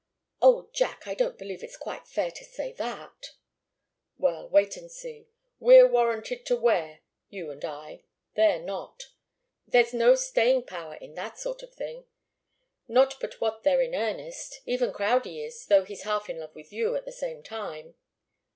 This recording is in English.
"Oh, Jack I don't believe it's quite fair to say that!" "Well wait and see. We're warranted to wear, you and I. They're not. There's no staying power in that sort of thing. Not but what they're in earnest. Even Crowdie is, though he's half in love with you, at the same time."